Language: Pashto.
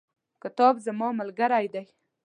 کتاب زما ملګری.